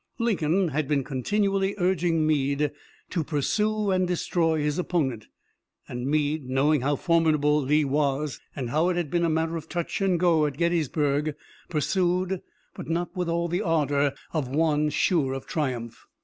Lincoln had been continually urging Meade to pursue and destroy his opponent, and Meade, knowing how formidable Lee was, and how it had been a matter of touch and go at Gettysburg, pursued, but not with all the ardor of one sure of triumph.